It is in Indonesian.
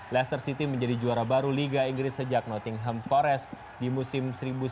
leicester city menjadi juara baru liga inggris sejak nottingham forest di musim seribu sembilan ratus tujuh puluh tujuh tujuh puluh delapan